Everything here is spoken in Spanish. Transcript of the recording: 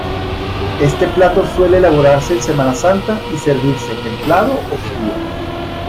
Este plato suele elaborarse en Semana Santa y servirse templado o frío.